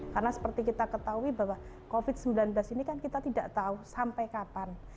karena seperti kita ketahui bahwa covid sembilan belas ini kan kita tidak tahu sampai kapan